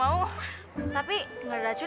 eh siapa tuh